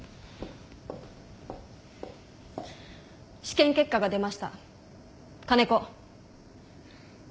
試験結果が出ました。